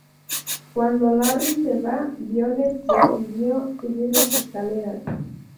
Cuando Larry se va, Violet decidió subir las escaleras.